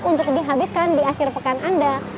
untuk dihabiskan di akhir pekan anda